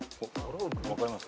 分かります？